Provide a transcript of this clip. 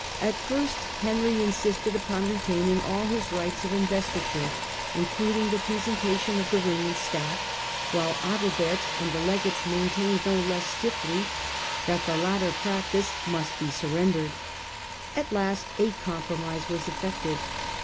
At first Henry insisted upon retaining all his rights of investiture, including the presentation of the ring and staff, while Adalbert and the legates maintained no less stiffly that the latter practice must be surrendered. At last a compromise was effected.